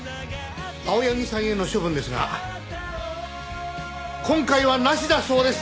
青柳さんへの処分ですが今回はなしだそうです。